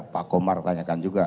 pak komar tanyakan juga